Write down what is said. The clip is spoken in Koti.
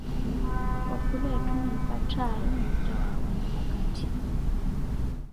Wakhula ethu nimpatthaye ninttha waawanya vakatti.